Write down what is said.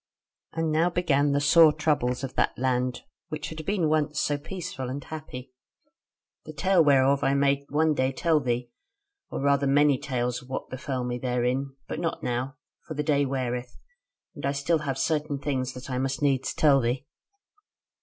"And now began the sore troubles of that land, which had been once so peaceful and happy; the tale whereof I may one day tell thee; or rather many tales of what befell me therein; but not now; for the day weareth; and I still have certain things that I must needs tell thee.